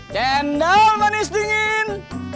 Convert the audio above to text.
cendol manis dingin